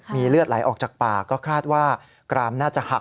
มีเลือดไหลออกจากปากก็คาดว่ากรามน่าจะหัก